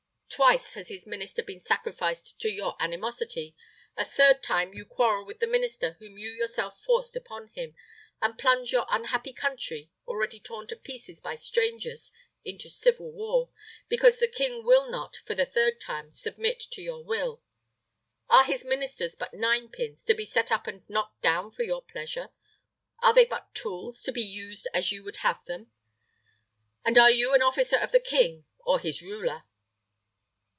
Twice has his minister been sacrificed to your animosity. A third time you quarrel with the minister whom you yourself forced upon him, and plunge your unhappy country, already torn to pieces by strangers, into civil war, because the king will not, for the third time, submit to your will. Are his ministers but nine pins, to be set up and knocked down for your pleasure? Are they but tools, to be used as you would have them? and are you an officer of the king, or his ruler?"